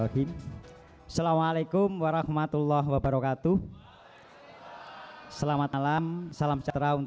tidak ada yang tidak siapkan